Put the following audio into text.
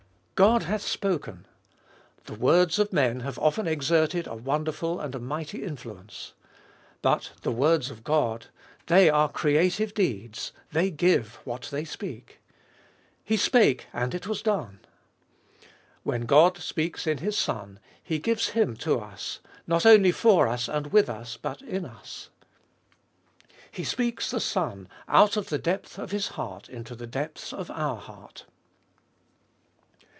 God hath spoken! The words of men have often exerted a wonderful and a mighty influence. But the words of God — they are creative deeds, they give what they speak. "He spake, and it was done." When God speaks in His Son, He gives Him to us, not only for us and with us, but in us. He speaks the Son out of the depth of His heart into the depths of our heart.